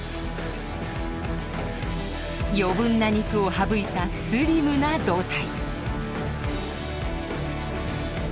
余分な肉を省いたスリムな胴体。